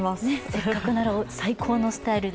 せっかくなら最高のスタイルで。